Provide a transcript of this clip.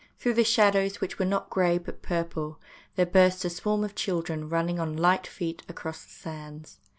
Through the shadows which were not grey but purple there burst a swarm of children running on light feet across the sands.